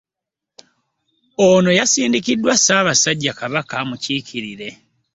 Ono yasindikiddwa ssaabasajja Kabaka amukiikirire